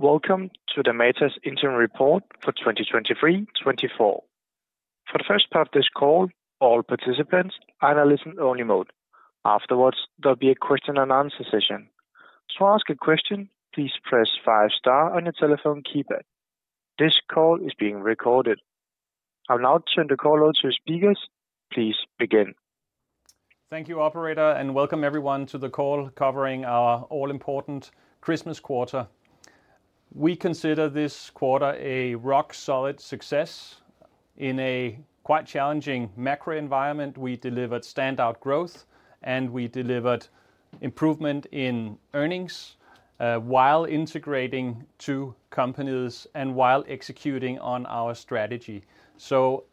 Welcome to the Matas Interim Report for 2023, 2024. For the first part of this call, all participants are in a listen-only mode. Afterwards, there'll be a question and answer session. To ask a question, please press five star on your telephone keypad. This call is being recorded. I will now turn the call over to our speakers. Please begin. Thank you, operator, and welcome everyone to the call covering our all-important Christmas quarter. We consider this quarter a rock-solid success. In a quite challenging macro environment, we delivered standout growth, and we delivered improvement in earnings, while integrating two companies and while executing on our strategy. So,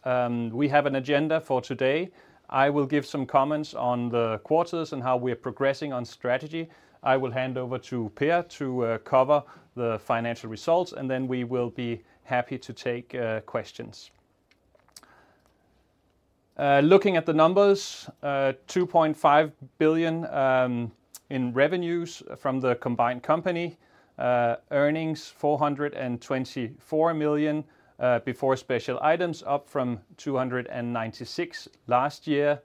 we have an agenda for today. I will give some comments on the quarters and how we are progressing on strategy. I will hand over to Per to cover the financial results, and then we will be happy to take questions. Looking at the numbers, 2.5 billion in revenues from the combined company. Earnings, 424 million before special items, up from 296 million last year.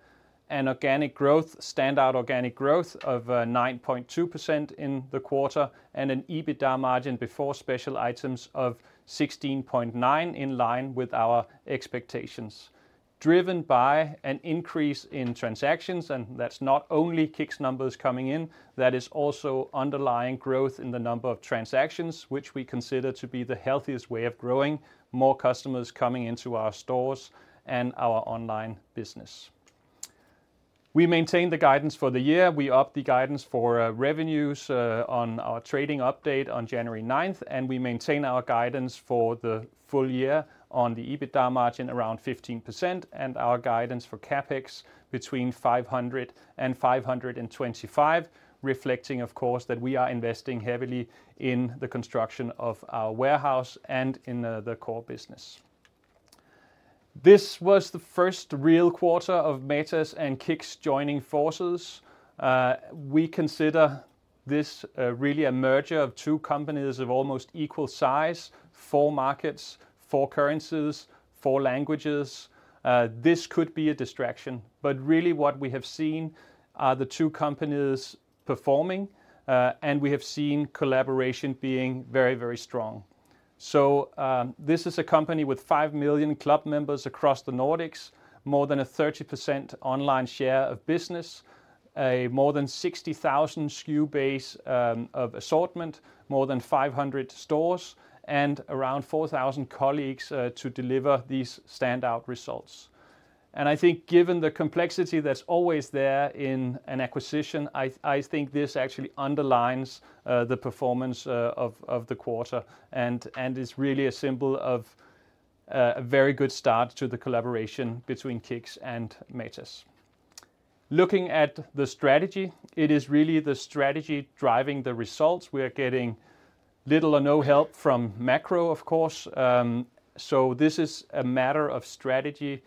Organic growth, standout organic growth of 9.2% in the quarter, and an EBITDA margin before special items of 16.9%, in line with our expectations. Driven by an increase in transactions, and that's not only KICKS numbers coming in, that is also underlying growth in the number of transactions, which we consider to be the healthiest way of growing more customers coming into our stores and our online business. We maintain the guidance for the year. We upped the guidance for revenues on our trading update on January 9, and we maintain our guidance for the full year on the EBITDA margin, around 15%, and our guidance for CapEx between 500 million and 525 million, reflecting, of course, that we are investing heavily in the construction of our warehouse and in the core business. This was the first real quarter of Matas and KICKS joining forces. We consider this, really a merger of two companies of almost equal size, four markets, four currencies, four languages. This could be a distraction, but really what we have seen are the two companies performing, and we have seen collaboration being very, very strong. So, this is a company with 5 million club members across the Nordics, more than a 30% online share of business, a more than 60,000 SKU base, of assortment, more than 500 stores, and around 4,000 colleagues, to deliver these standout results. I think given the complexity that's always there in an acquisition, I think this actually underlines the performance of the quarter and is really a symbol of a very good start to the collaboration between KICKS and Matas. Looking at the strategy, it is really the strategy driving the results. We are getting little or no help from macro, of course, so this is a matter of strategy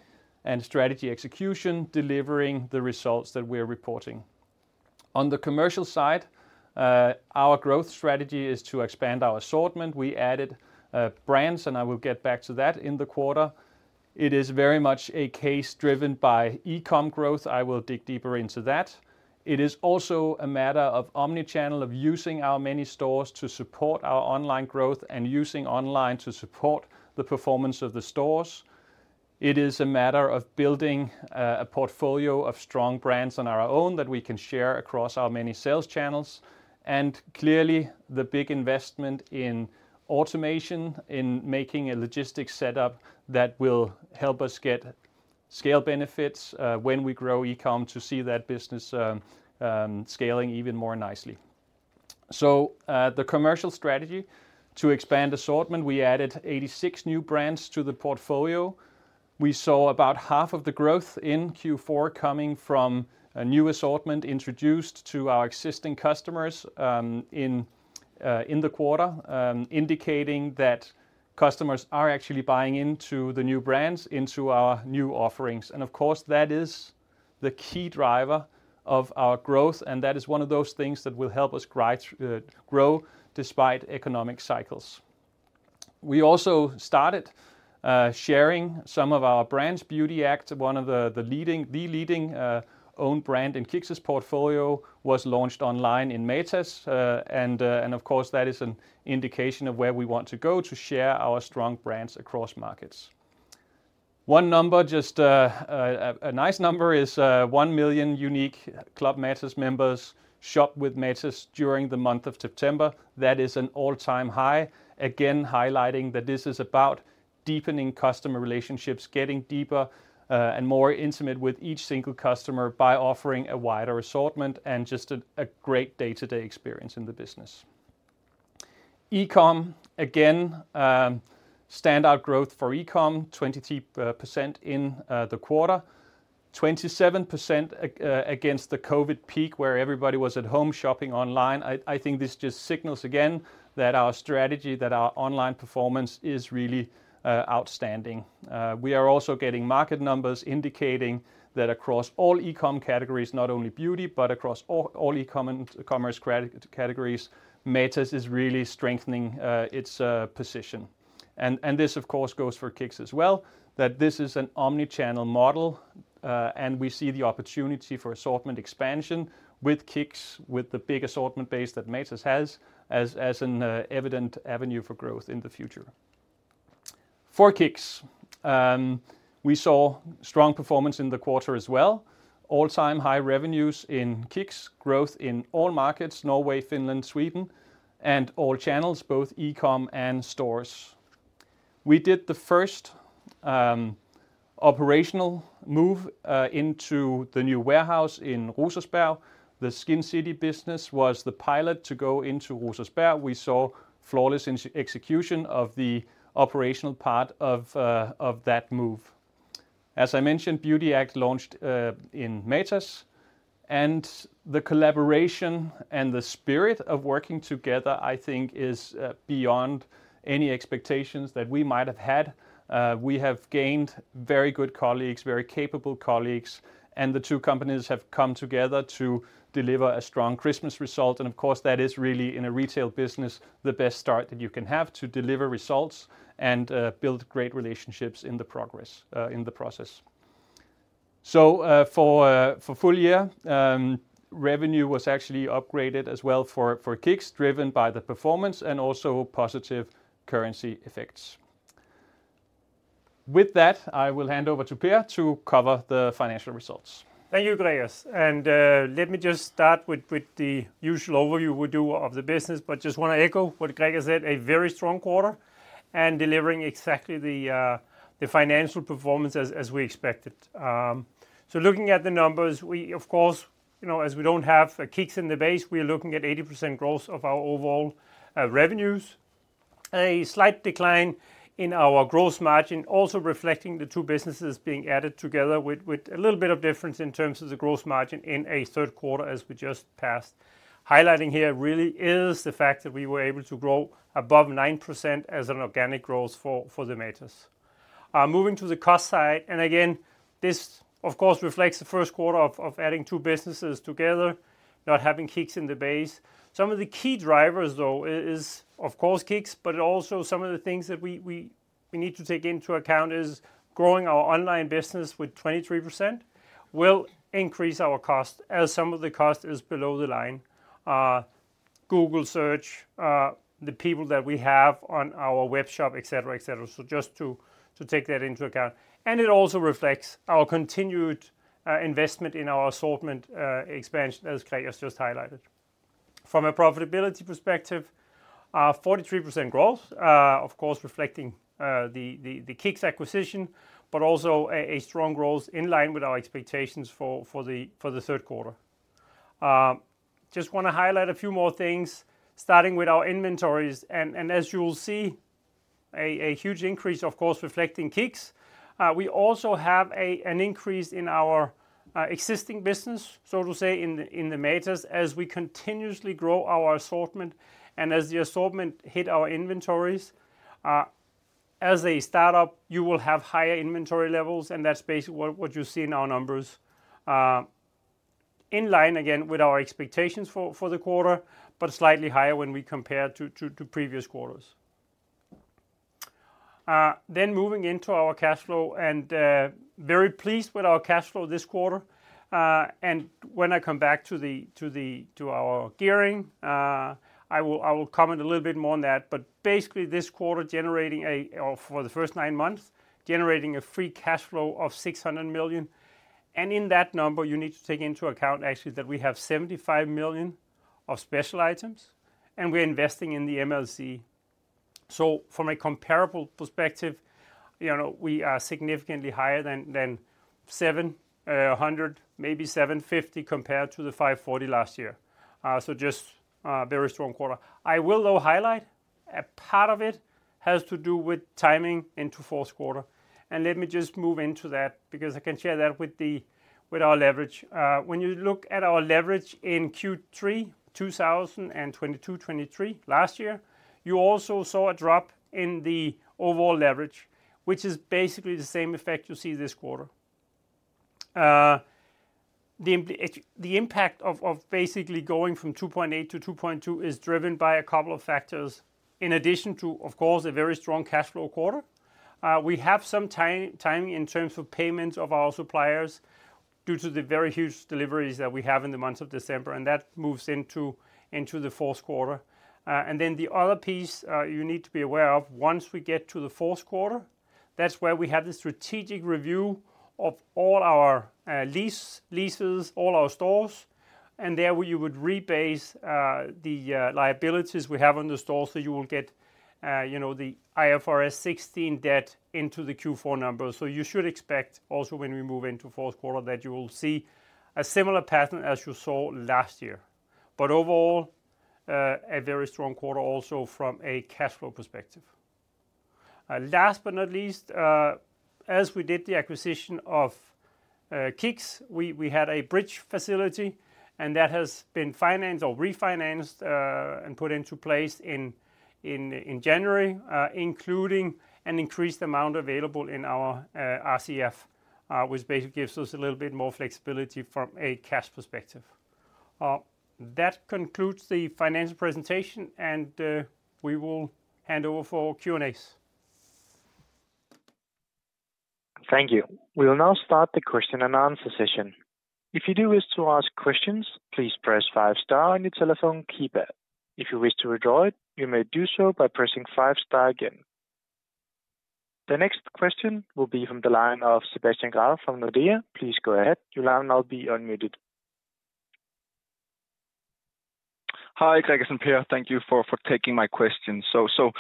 and strategy execution, delivering the results that we're reporting. On the commercial side, our growth strategy is to expand our assortment. We added brands, and I will get back to that in the quarter. It is very much a case driven by e-com growth. I will dig deeper into that. It is also a matter of omnichannel, of using our many stores to support our online growth and using online to support the performance of the stores. It is a matter of building a portfolio of strong brands on our own that we can share across our many sales channels, and clearly, the big investment in automation, in making a logistics setup that will help us get scale benefits, when we grow e-com, to see that business, scaling even more nicely. So, the commercial strategy: to expand assortment, we added 86 new brands to the portfolio. We saw about half of the growth in Q4 coming from a new assortment introduced to our existing customers, in the quarter, indicating that customers are actually buying into the new brands, into our new offerings. And of course, that is the key driver of our growth, and that is one of those things that will help us grow despite economic cycles. We also started sharing some of our brands. BeautyAct, one of the leading own brand in KICKS' portfolio, was launched online in Matas. And of course, that is an indication of where we want to go to share our strong brands across markets. One number, just a nice number, is 1 million unique Club Matas members shopped with Matas during the month of September. That is an all-time high, again, highlighting that this is about deepening customer relationships, getting deeper and more intimate with each single customer by offering a wider assortment and just a great day-to-day experience in the business. E-com, again, standout growth for e-com, 22% in the quarter. 27% against the COVID peak, where everybody was at home shopping online. I think this just signals again that our strategy, that our online performance is really outstanding. We are also getting market numbers indicating that across all e-com categories, not only beauty, but across all e-com commerce categories, Matas is really strengthening its position. This of course goes for KICKS as well, that this is an omni-channel model, and we see the opportunity for assortment expansion with KICKS, with the big assortment base that Matas has, as an evident avenue for growth in the future. For KICKS, we saw strong performance in the quarter as well. All-time high revenues in KICKS, growth in all markets, Norway, Finland, Sweden, and all channels, both e-com and stores. We did the first operational move into the new warehouse in Rosersberg. The Skincity business was the pilot to go into Rosersberg. We saw flawless execution of the operational part of that move. As I mentioned, Beauty Act launched in Matas, and the collaboration and the spirit of working together, I think, is beyond any expectations that we might have had. We have gained very good colleagues, very capable colleagues, and the two companies have come together to deliver a strong Christmas result, and of course, that is really, in a retail business, the best start that you can have to deliver results and build great relationships in the progress in the process. So, for full year, revenue was actually upgraded as well for KICKS, driven by the performance and also positive currency effects. With that, I will hand over to Per to cover the financial results. Thank you, Gregers. Let me just start with the usual overview we do of the business, but just want to echo what Gregers said, a very strong quarter, and delivering exactly the financial performance as we expected. So looking at the numbers, we of course, you know, as we don't have KICKS in the base, we are looking at 80% growth of our overall revenues. A slight decline in our gross margin, also reflecting the two businesses being added together, with a little bit of difference in terms of the gross margin in the third quarter, as we just passed. Highlighting here really is the fact that we were able to grow above 9% as an organic growth for the Matas. Moving to the cost side, and again, this of course reflects the first quarter of adding two businesses together, not having KICKS in the base. Some of the key drivers, though, is of course, KICKS, but also some of the things that we need to take into account is growing our online business with 23% will increase our cost, as some of the cost is below the line. Google search, the people that we have on our web shop, et cetera, et cetera. So just to take that into account, and it also reflects our continued investment in our assortment expansion, as Gregers just highlighted. From a profitability perspective, 43% growth, of course reflecting the KICKS acquisition, but also a strong growth in line with our expectations for the third quarter. Just wanna highlight a few more things, starting with our inventories, and as you will see, a huge increase, of course, reflecting KICKS. We also have an increase in our existing business, so to say, in the Matas, as we continuously grow our assortment and as the assortment hit our inventories. As a start-up, you will have higher inventory levels, and that's basically what you see in our numbers. In line again with our expectations for the quarter, but slightly higher when we compare to previous quarters. Then moving into our cash flow, and very pleased with our cash flow this quarter. And when I come back to our gearing, I will comment a little bit more on that. But basically this quarter, generating a... Or for the first nine months, generating a free cash flow of 600 million, and in that number, you need to take into account actually, that we have 75 million of special items, and we're investing in the MLC. So from a comparable perspective, you know, we are significantly higher than 700, maybe 750, compared to the 540 last year. So just a very strong quarter. I will though highlight, a part of it has to do with timing into fourth quarter, and let me just move into that, because I can share that with the, with our leverage. When you look at our leverage in Q3 2022, 2023 last year, you also saw a drop in the overall leverage, which is basically the same effect you see this quarter. The impact of basically going from 2.8% to 2.2% is driven by a couple of factors. In addition to, of course, a very strong cash flow quarter, we have some timing in terms of payments of our suppliers due to the very huge deliveries that we have in the month of December, and that moves into the fourth quarter. And then the other piece you need to be aware of, once we get to the fourth quarter, that's where we have the strategic review of all our leases, all our stores, and there you would rebase the liabilities we have on the store. So you will get, you know, the IFRS 16 debt into the Q4 numbers. So you should expect also, when we move into fourth quarter, that you will see a similar pattern as you saw last year. But overall, a very strong quarter also from a cash flow perspective. Last but not least, as we did the acquisition of KICKS, we had a bridge facility, and that has been financed or refinanced, and put into place in January, including an increased amount available in our RCF, which basically gives us a little bit more flexibility from a cash perspective. That concludes the financial presentation, and we will hand over for Q&As. Thank you. We will now start the question-and-answer session. If you do wish to ask questions, please press five star on your telephone keypad. If you wish to withdraw it, you may do so by pressing five star again. The next question will be from the line of Sebastian Graff from Nordea. Please go ahead. Your line will now be unmuted. Hi, Greg and Per. Thank you for taking my questions. So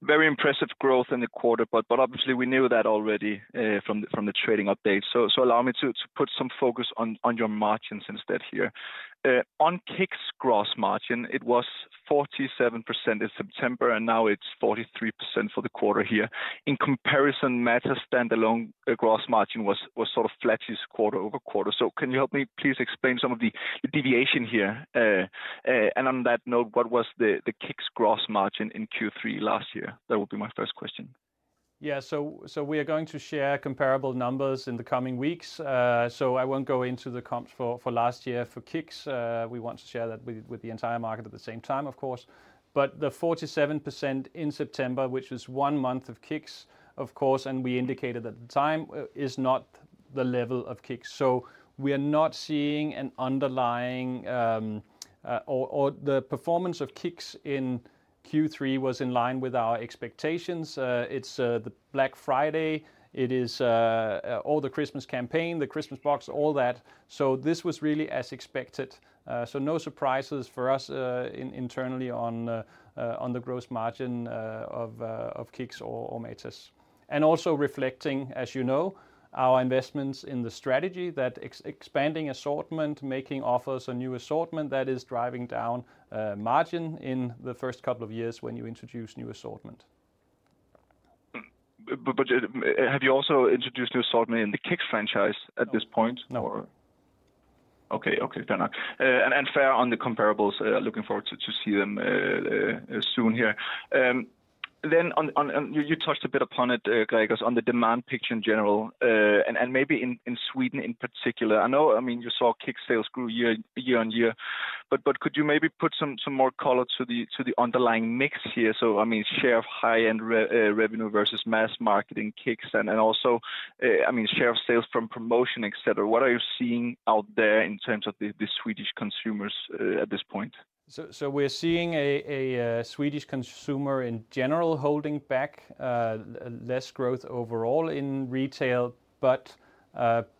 very impressive growth in the quarter, but obviously we knew that already from the trading update. So allow me to put some focus on your margins instead here. On KICKS' gross margin, it was 47% in September, and now it's 43% for the quarter here. In comparison, Matas standalone gross margin was sort of flat this quarter-over-quarter. So can you help me please explain some of the deviation here? And on that note, what was the KICKS gross margin in Q3 last year? That would be my first question. Yeah. So, so we are going to share comparable numbers in the coming weeks, so I won't go into the comps for, for last year for KICKS. We want to share that with, with the entire market at the same time, of course. But the 47% in September, which is one month of KICKS, of course, and we indicated at the time, is not the level of KICKS. So we are not seeing an underlying, or, or the performance of KICKS in Q3 was in line with our expectations. It's the Black Friday, it is all the Christmas campaign, the Christmas box, all that. So this was really as expected. So no surprises for us, internally on the gross margin of of KICKS or Matas. Also reflecting, as you know, our investments in the strategy, that expanding assortment, making of a new assortment that is driving down margin in the first couple of years when you introduce new assortment. But, but have you also introduced new assortment in the KICKS franchise at this point? No. Okay. Okay, fair enough. Fair on the comparables. Looking forward to see them soon here. Then on... You touched a bit upon it, Greg, on the demand picture in general, and maybe in Sweden in particular. I know, I mean, you saw KICKS sales grew year-on-year, but could you maybe put some more color to the underlying mix here? So I mean, share of high-end revenue versus mass-market KICKS and also, I mean, share of sales from promotion, et cetera. What are you seeing out there in terms of the Swedish consumers at this point? So we're seeing a Swedish consumer in general holding back, less growth overall in retail, but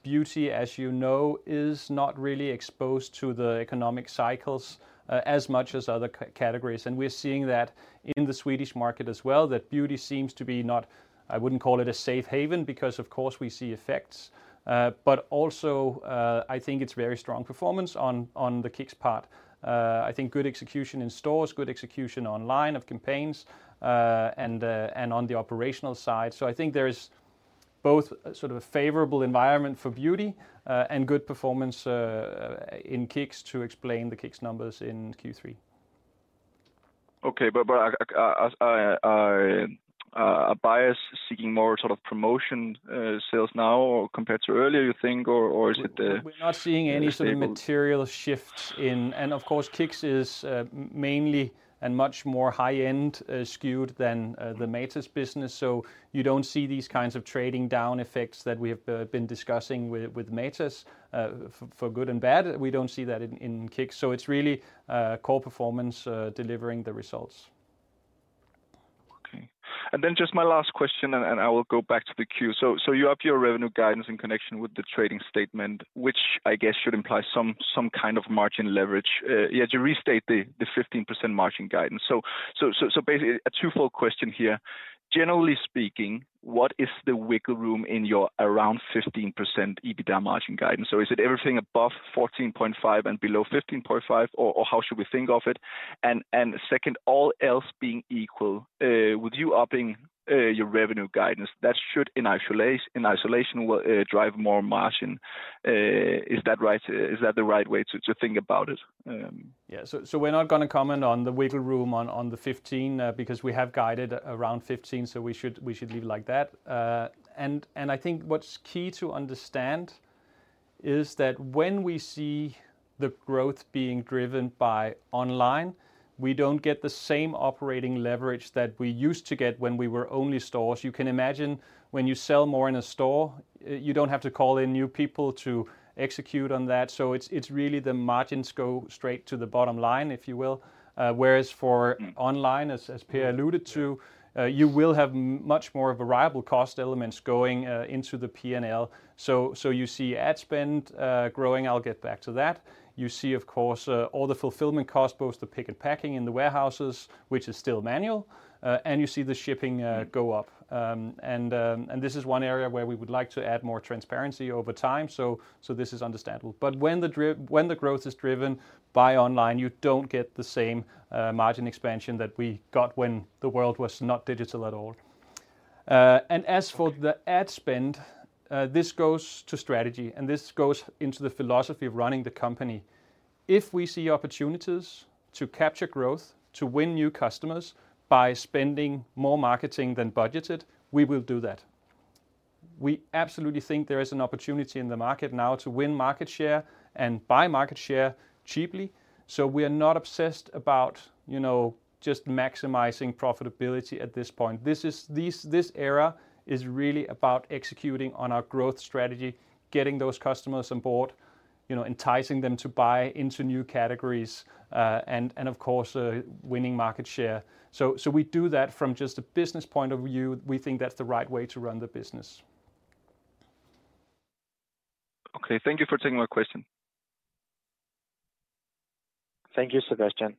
beauty, as you know, is not really exposed to the economic cycles, as much as other categories. And we're seeing that in the Swedish market as well, that beauty seems to be not, I wouldn't call it a safe haven, because of course we see effects, but also, I think it's very strong performance on the KICKS part. I think good execution in stores, good execution online of campaigns, and on the operational side. So I think there is both sort of a favorable environment for beauty, and good performance, in KICKS to explain the KICKS numbers in Q3. Okay, but are buyers seeking more sort of promotion, sales now or compared to earlier, you think? Or is it stable- We're not seeing any sort of material shift in... And of course, KICKS is mainly and much more high-end skewed than the Matas business, so you don't see these kinds of trading down effects that we have been discussing with, with Matas. For, for good and bad, we don't see that in, in KICKS. So it's really core performance delivering the results. Okay. And then just my last question, and I will go back to the queue. So you up your revenue guidance in connection with the trading statement, which I guess should imply some kind of margin leverage. You had to restate the 15% margin guidance. So basically, a twofold question here: Generally speaking, what is the wiggle room in your around 15% EBITDA margin guidance? So is it everything above 14.5 and below 15.5, or how should we think of it? And second, all else being equal, with you upping your revenue guidance, that should in isolate, in isolation, drive more margin. Is that right? Is that the right way to think about it? Yeah. So we're not gonna comment on the wiggle room on the 15, because we have guided around 15, so we should leave it like that. I think what's key to understand is that when we see the growth being driven by online, we don't get the same operating leverage that we used to get when we were only stores. You can imagine when you sell more in a store, you don't have to call in new people to execute on that. So it's really the margins go straight to the bottom line, if you will. Whereas for online, as Per alluded to, you will have much more of a variable cost elements going into the PNL. So you see Ad Spend growing. I'll get back to that. You see, of course, all the fulfillment costs, both the pick and packing in the warehouses, which is still manual, and you see the shipping, go up. And this is one area where we would like to add more transparency over time. So this is understandable. But when the growth is driven by online, you don't get the same, margin expansion that we got when the world was not digital at all. And as for the Ad Spend, this goes to strategy, and this goes into the philosophy of running the company. If we see opportunities to capture growth, to win new customers by spending more marketing than budgeted, we will do that. We absolutely think there is an opportunity in the market now to win market share and buy market share cheaply. So we are not obsessed about, you know, just maximizing profitability at this point. This era is really about executing on our growth strategy, getting those customers on board, you know, enticing them to buy into new categories, and of course, winning market share. So we do that from just a business point of view, we think that's the right way to run the business. Okay, thank you for taking my question. Thank you, Sebastian.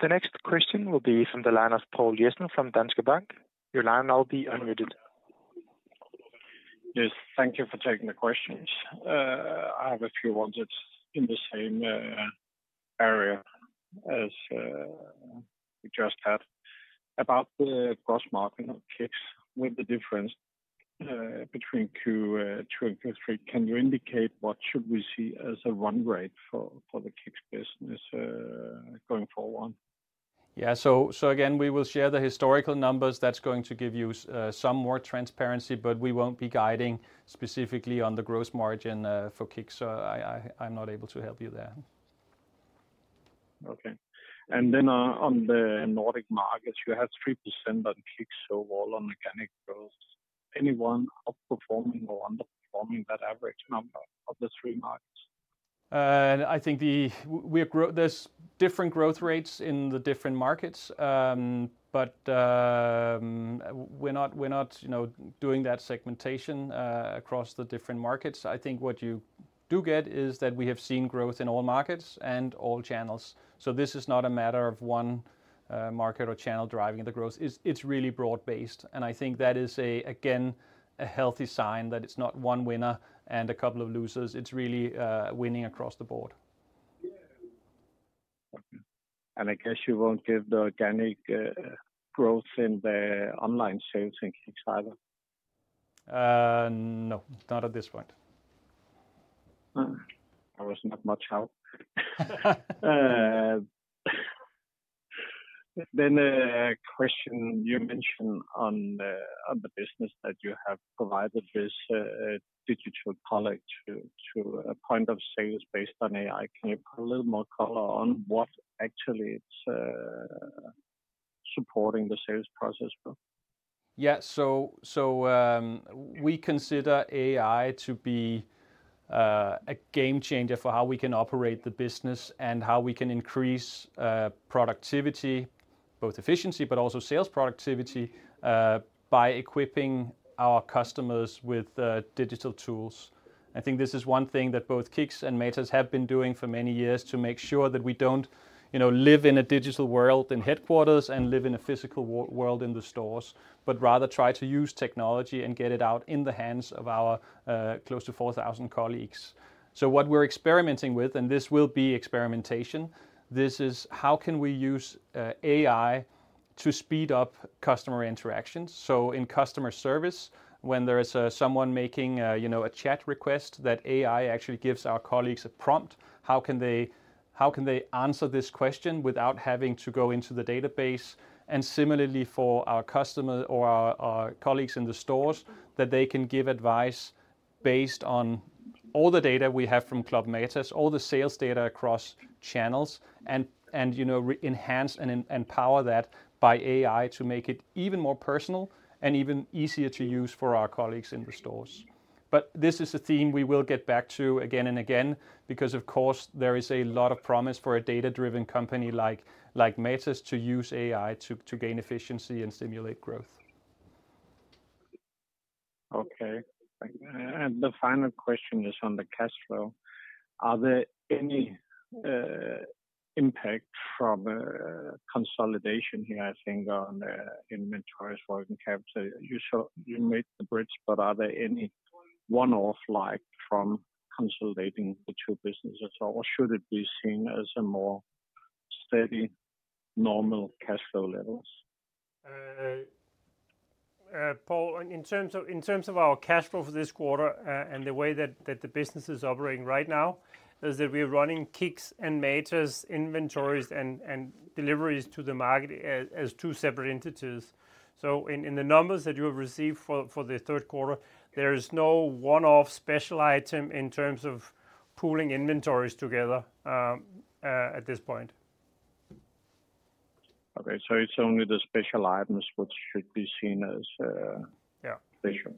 The next question will be from the line of Poul Jensen from Danske Bank. Your line now will be unmuted. Yes, thank you for taking the questions. I have a few ones that's in the same area as we just had, about the gross margin of KICKS, with the difference between Q2 and Q3. Can you indicate what should we see as a run rate for the KICKS business going forward? Yeah. So, so again, we will share the historical numbers. That's going to give you some more transparency, but we won't be guiding specifically on the gross margin for KICKS. So I, I, I'm not able to help you there. Okay. Then, on the Nordic markets, you had 3% on KICKS, so all on organic growth. Anyone outperforming or underperforming that average number of the three markets? I think we are growing. There's different growth rates in the different markets, but we're not, you know, doing that segmentation across the different markets. I think what you do get is that we have seen growth in all markets and all channels, so this is not a matter of one market or channel driving the growth. It's really broad-based, and I think that is again a healthy sign that it's not one winner and a couple of losers, it's really winning across the board. I guess you won't give the organic growth in the online sales in KICKS either? No, not at this point. That was not much help. Then a question you mentioned on the business that you have provided this digital colleague to a point of sales based on AI. Can you put a little more color on what actually it's supporting the sales process for? Yeah. So, we consider AI to be a game changer for how we can operate the business and how we can increase productivity, both efficiency, but also sales productivity, by equipping our customers with digital tools. I think this is one thing that both KICKS and Matas have been doing for many years to make sure that we don't, you know, live in a digital world in headquarters and live in a physical world in the stores, but rather try to use technology and get it out in the hands of our close to 4,000 colleagues. So what we're experimenting with, and this will be experimentation, this is, how can we use AI to speed up customer interactions? So in customer service, when there is someone making, you know, a chat request, that AI actually gives our colleagues a prompt. How can they answer this question without having to go into the database? And similarly, for our customer or our colleagues in the stores, that they can give advice based on all the data we have from Club Matas, all the sales data across channels, and you know, re-enhance and empower that by AI to make it even more personal and even easier to use for our colleagues in the stores. But this is a theme we will get back to again and again, because of course, there is a lot of promise for a data-driven company like Matas to use AI to gain efficiency and stimulate growth. Okay. And the final question is on the cash flow. Are there any impact from consolidation here, I think on the inventories working capital? You saw, you made the bridge, but are there any one-off like from consolidating the two businesses, or should it be seen as a more steady, normal cash flow levels? Paul, in terms of, in terms of our cash flow for this quarter, and the way that, that the business is operating right now, is that we are running KICKS and Matas inventories and, and deliveries to the market as, as two separate entities. So in, in the numbers that you have received for, for the third quarter, there is no one-off special item in terms of pooling inventories together, at this point. Okay. So it's only the special items which should be seen as, Yeah. Special. Yeah.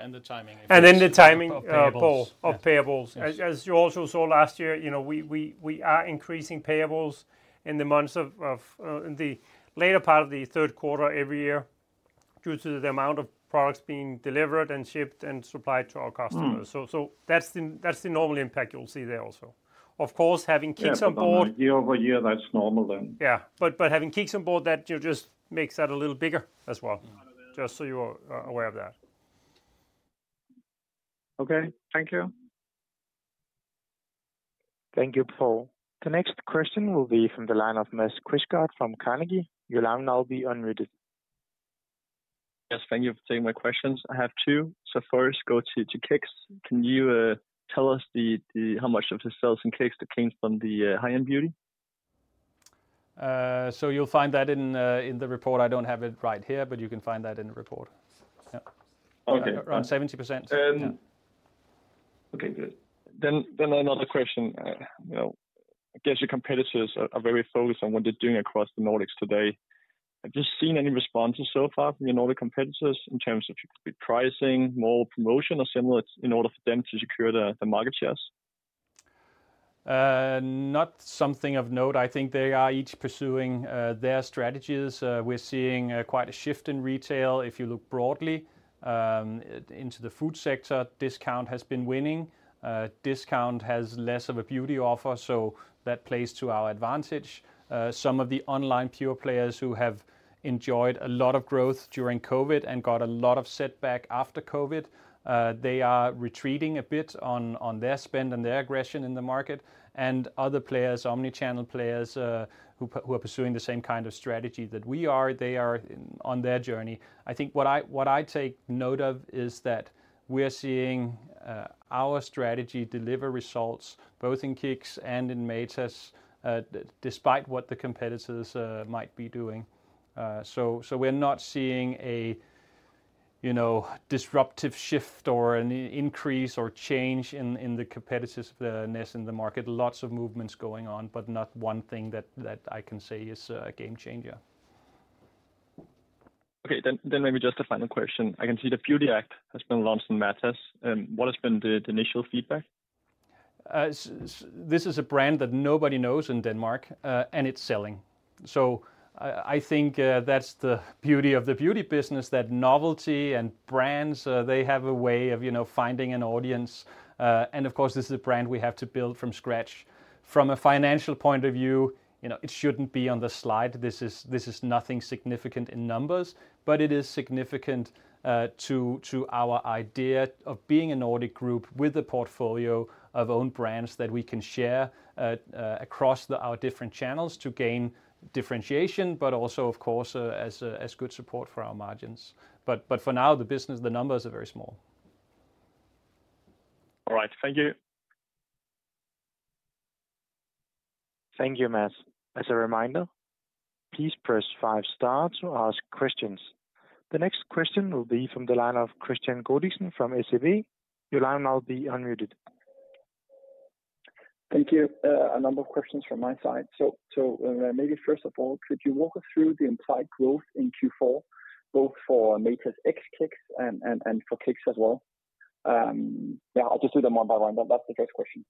And the timing- And then the timing, Of payables Of payables. As you also saw last year, you know, we are increasing payables in the months of, in the later part of the third quarter every year, due to the amount of products being delivered and shipped and supplied to our customers. So, so that's the, that's the normal impact you'll see there also. Of course, having KICKS on board- Yeah, but year-over-year, that's normal then. Yeah, but having KICKS on board, that just makes that a little bigger as well. Just so you are aware of that. Okay. Thank you. Thank you, Paul. The next question will be from the line of [inaudible] from Carnegie. Your line now will be unmuted. Yes, thank you for taking my questions. I have two. So first, go to KICKS. Can you tell us the how much of the sales in KICKS that comes from the high-end beauty? So you'll find that in, in the report. I don't have it right here, but you can find that in the report. Yeah. Okay. Around 70%. Okay, good. Then, another question. You know, I guess your competitors are very focused on what they're doing across the Nordics today. Have you seen any responses so far from your Nordic competitors in terms of pricing, more promotion, or similar, in order for them to secure the market shares? Not something of note. I think they are each pursuing their strategies. We're seeing quite a shift in retail. If you look broadly into the food sector, discount has been winning. Discount has less of a beauty offer, so that plays to our advantage. Some of the online pure players who have enjoyed a lot of growth during COVID and got a lot of setback after COVID, they are retreating a bit on their spend and their aggression in the market, and other players, omnichannel players, who are pursuing the same kind of strategy that we are, they are on their journey. I think what I take note of is that we are seeing our strategy deliver results both in KICKS and in Matas, despite what the competitors might be doing. So, we're not seeing a, you know, disruptive shift or an increase or change in the competitiveness in the market. Lots of movements going on, but not one thing that I can say is a game changer. Okay. Then, then maybe just a final question. I can see the Beauty Act has been launched in Matas. What has been the, the initial feedback? This is a brand that nobody knows in Denmark, and it's selling. So I think that's the beauty of the beauty business, that novelty and brands they have a way of, you know, finding an audience. And of course, this is a brand we have to build from scratch. From a financial point of view, you know, it shouldn't be on the slide. This is nothing significant in numbers, but it is significant to our idea of being a Nordic group with a portfolio of own brands that we can share across our different channels to gain differentiation, but also, of course, as good support for our margins. But for now, the business, the numbers are very small. All right. Thank you. Thank you, Mads. As a reminder, please press five stars to ask questions. The next question will be from the line of Kristian Godiksen from SEB. Your line will now be unmuted. Thank you. A number of questions from my side. So, so, maybe first of all, could you walk us through the implied growth in Q4, both for Matas ex Kicks and, and, and for Kicks as well? Yeah, I'll just do them one by one, but that's the first question.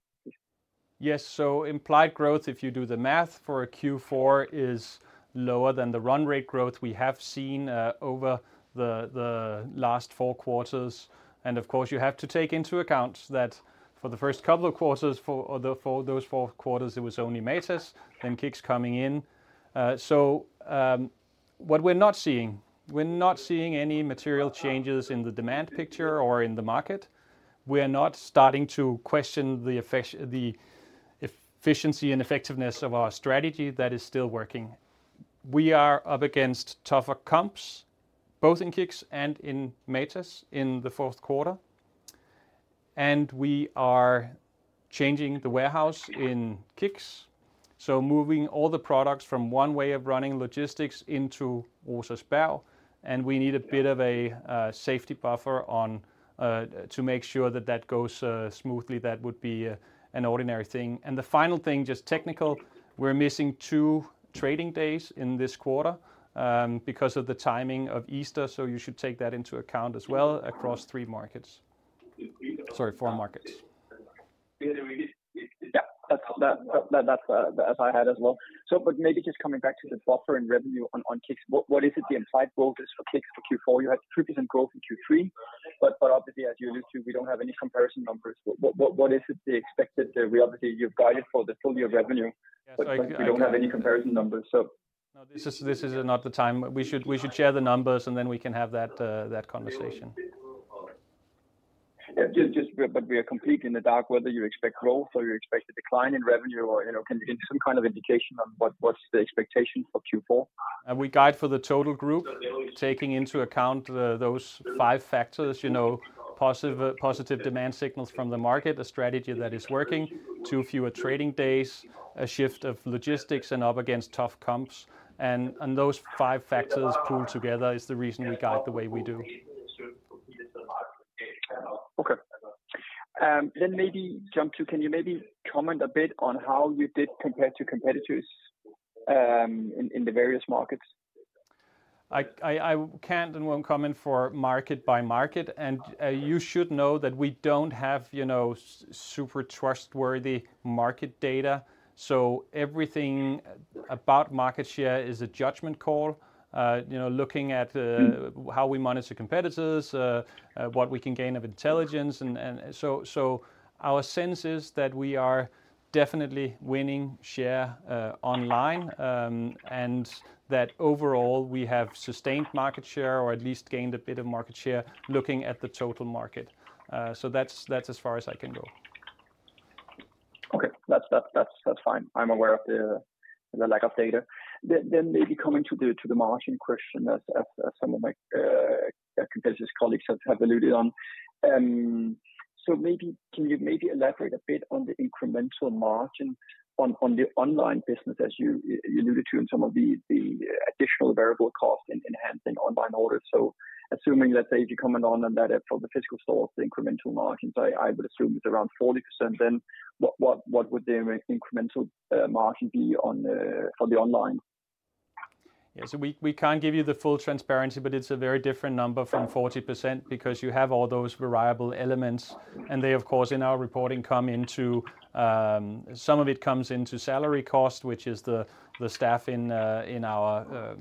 Yes. So implied growth, if you do the math for a Q4, is lower than the run rate growth we have seen over the last four quarters. And of course, you have to take into account that for the first couple of quarters, for those four quarters, it was only Matas, then KICKS coming in. So, what we're not seeing, we're not seeing any material changes in the demand picture or in the market. We are not starting to question the efficiency and effectiveness of our strategy. That is still working. We are up against tougher comps, both in KICKS and in Matas in the fourth quarter, and we are changing the warehouse in KICKS, so moving all the products from one way of running logistics into Rosersberg, and we need a bit of a safety buffer on to make sure that that goes smoothly. That would be an ordinary thing. And the final thing, just technical, we're missing two trading days in this quarter because of the timing of Easter, so you should take that into account as well across three markets. Sorry, four markets. Yeah, that's as I had as well. So, but maybe just coming back to the buffer and revenue on KICKS, what is it the implied growth is for KICKS for Q4? You had 3% growth in Q3, but obviously, as you listed, we don't have any comparison numbers. What is it the expected reality you've guided for the full year revenue? Yes, I- But we don't have any comparison numbers, so. No, this is, this is not the time. We should, we should share the numbers, and then we can have that, that conversation. Yeah, just... But we are completely in the dark whether you expect growth or you expect a decline in revenue or, you know, can you give some kind of indication on what's the expectation for Q4? We guide for the total group, taking into account those five factors, you know, positive, positive demand signals from the market, a strategy that is working, 2 fewer trading days, a shift of logistics, and up against tough comps. And, and those five factors pooled together is the reason we guide the way we do. Okay. Then maybe jump to, can you maybe comment a bit on how you did compare to competitors, in the various markets? I can't and won't comment for market by market. And, you should know that we don't have, you know, super trustworthy market data, so everything about market share is a judgment call. You know, looking at how we monitor competitors, what we can gain of intelligence. So our sense is that we are definitely winning share online, and that overall we have sustained market share, or at least gained a bit of market share looking at the total market. So that's, that's as far as I can go. Okay, that's fine. I'm aware of the lack of data. Then maybe coming to the margin question, as some of my business colleagues have alluded on. So maybe can you elaborate a bit on the incremental margin on the online business, as you alluded to in some of the additional variable cost in enhancing online orders? So assuming, let's say, if you comment on that from the physical stores, the incremental margins, I would assume it's around 40%, then what would the incremental margin be on the online? Yeah. So we can't give you the full transparency, but it's a very different number from 40%, because you have all those variable elements. And they, of course, in our reporting, come into some of it comes into salary cost, which is the staff in our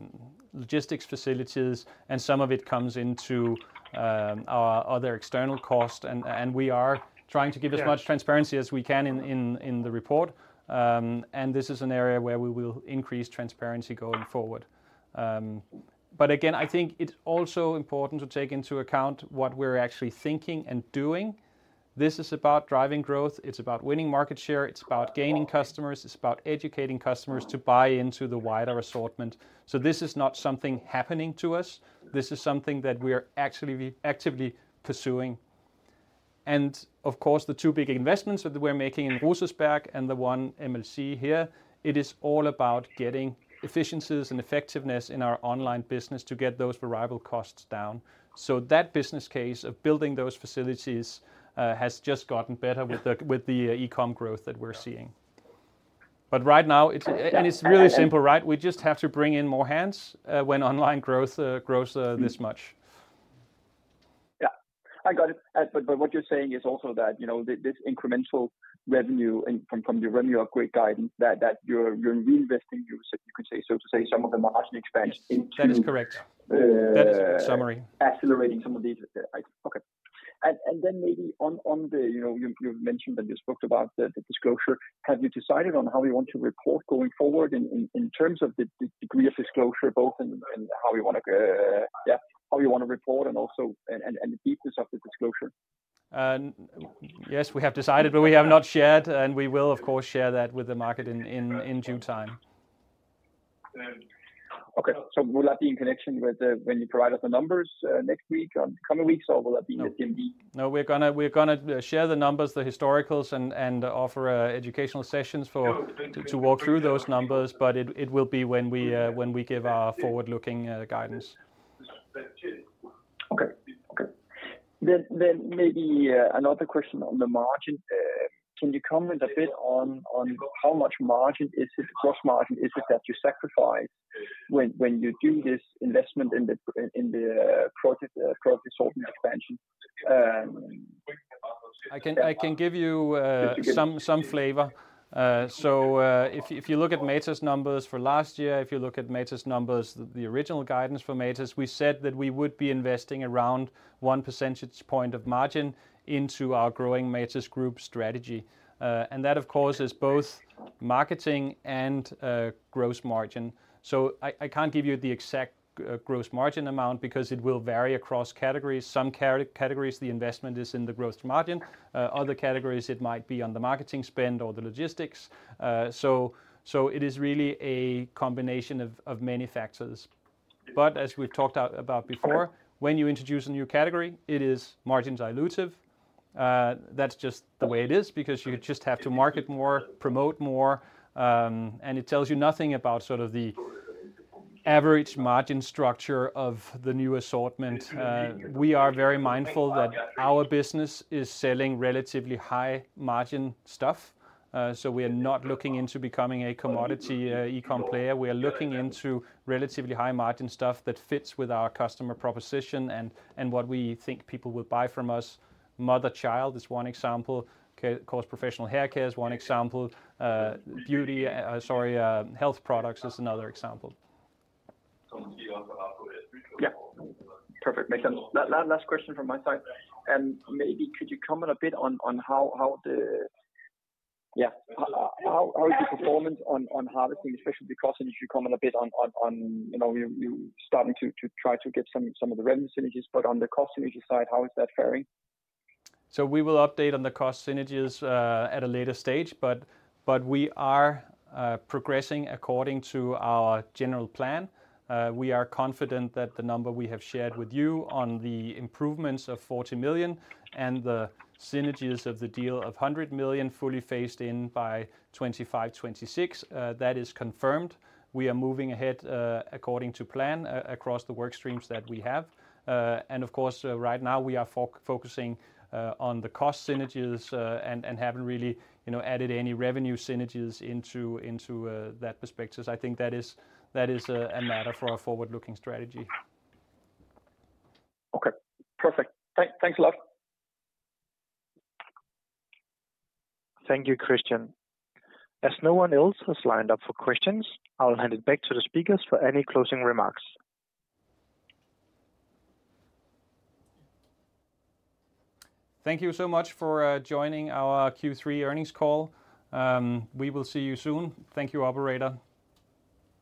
logistics facilities, and some of it comes into our other external costs. And we are trying to give as much transparency as we can in the report. And this is an area where we will increase transparency going forward. But again, I think it's also important to take into account what we're actually thinking and doing. This is about driving growth. It's about winning market share. It's about gaining customers. It's about educating customers to buy into the wider assortment. So this is not something happening to us. This is something that we are actually actively pursuing. And of course, the two big investments that we're making in Rosersberg and the one MLC here, it is all about getting efficiencies and effectiveness in our online business to get those variable costs down. So that business case of building those facilities has just gotten better with the, with the, e-com growth that we're seeing. But right now, it's... And it's really simple, right? We just have to bring in more hands when online growth grows this much. Yeah, I got it. But what you're saying is also that, you know, this incremental revenue and from the revenue upgrade guidance, that you're reinvesting, you could say, so to say, some of the margin expense into- That is correct. That is a good summary. Accelerating some of these. Okay. And then maybe on the, you know, you've mentioned and you spoke about the disclosure. Have you decided on how you want to report going forward in terms of the degree of disclosure, both in how you want to, yeah, how you want to report and also the details of the disclosure? And yes, we have decided, but we have not shared, and we will, of course, share that with the market in due time. Okay. So will that be in connection with the, when you provide us the numbers, next week, on coming weeks, or will that be in the DMV? No, we're gonna share the numbers, the historical, and offer educational sessions for- Yeah To walk through those numbers, but it, it will be when we, when we give our forward-looking guidance. Okay. Maybe another question on the margin. Can you comment a bit on how much margin is it, gross margin is it that you sacrifice when you do this investment in the project assortment expansion? I can give you some flavor. So, if you look at Matas numbers for last year, if you look at Matas numbers, the original guidance for Matas, we said that we would be investing around one percentage point of margin into our growing Matas group strategy. And that, of course, is both marketing and gross margin. So I can't give you the exact gross margin amount because it will vary across categories. Some categories, the investment is in the gross margin. Other categories, it might be on the marketing spend or the logistics. So it is really a combination of many factors. But as we've talked about before, when you introduce a new category, it is margin dilutive. That's just the way it is, because you just have to market more, promote more, and it tells you nothing about sort of the average margin structure of the new assortment. We are very mindful that our business is selling relatively high-margin stuff, so we are not looking into becoming a commodity, e-com player. We are looking into relatively high-margin stuff that fits with our customer proposition and, and what we think people will buy from us. Mother child is one example. Okay, of course, professional haircare is one example. Beauty, sorry, health products is another example. Yeah. Perfect. Makes sense. Last question from my side, and maybe could you comment a bit on how the... Yeah, how is the performance on harvesting, especially the cost, and if you comment a bit on, you know, you starting to try to get some of the revenue synergies, but on the cost synergy side, how is that faring? So we will update on the cost synergies at a later stage, but we are progressing according to our general plan. We are confident that the number we have shared with you on the improvements of 40 million and the synergies of the deal of 100 million fully phased in by 2025, 2026, that is confirmed. We are moving ahead according to plan across the work streams that we have. And of course, right now we are focusing on the cost synergies and haven't really, you know, added any revenue synergies into that perspective. I think that is a matter for our forward-looking strategy. Okay, perfect. Thanks a lot. Thank you, Christian. As no one else has lined up for questions, I'll hand it back to the speakers for any closing remarks. Thank you so much for joining our Q3 earnings call. We will see you soon. Thank you, operator.